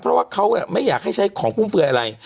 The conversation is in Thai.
เพราะว่าเขาไม่อยากให้ใช้ของฟุ่มเฟือยอะไร